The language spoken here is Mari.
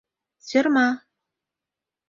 Сӧрма!